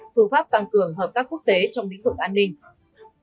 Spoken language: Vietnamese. phương pháp tăng cường hợp tác quốc tế trong lĩnh vực an ninh